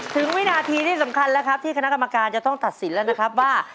วินาทีที่สำคัญแล้วครับที่คณะกรรมการจะต้องตัดสินแล้วนะครับว่า